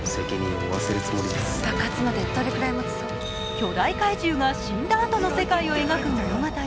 巨大怪獣が死んだあとの世界の描く物語。